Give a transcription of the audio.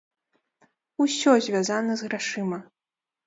Усё звязана з грашыма!